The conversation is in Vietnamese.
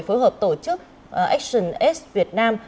phối hợp tổ chức action s việt nam